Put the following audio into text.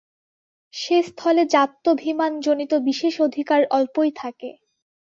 সে স্থলে জাত্যভিমানজনিত বিশেষাধিকার অল্পই থাকে।